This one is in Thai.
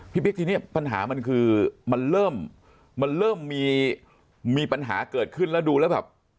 บิ๊กทีนี้ปัญหามันคือมันเริ่มมันเริ่มมีปัญหาเกิดขึ้นแล้วดูแล้วแบบ